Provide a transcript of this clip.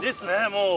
もう。